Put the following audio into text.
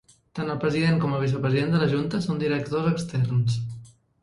Tant el president com el vicepresident de la junta són directors externs.